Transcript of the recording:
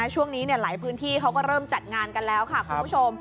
ช่วงนี้หลายพื้นที่เขาก็เริ่มจัดงานกันแล้วค่ะคุณผู้ชม